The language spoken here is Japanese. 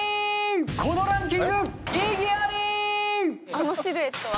あのシルエットは？